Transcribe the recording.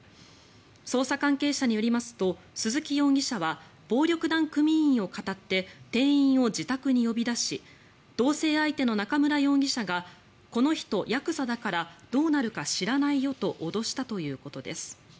捜査関係者によりますと鈴木容疑者は暴力団組員をかたって店員を自宅に呼び出し同棲相手の中村容疑者がこの人、ヤクザだからどうなるか知らないよと脅したということです。